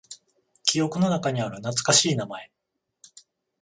記憶の中にある懐かしい名前。